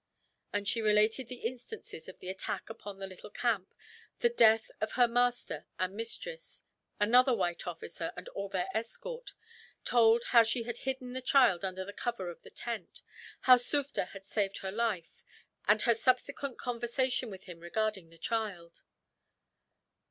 And she related the instances of the attack upon the little camp, the death of her master and mistress, another white officer, and all their escort; told how she had hidden the child under the cover of the tent, how Sufder had saved her life, and her subsequent conversation with him regarding the child.